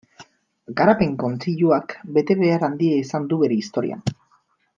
Garapen Kontseiluak betebehar handia izan du bere historian.